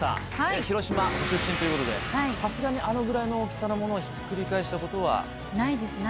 広島出身ということでさすがにあのぐらいの大きさをひっくり返したことは？